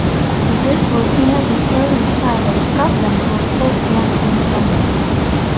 This was seen as an early sign that Scotland would vote against independence.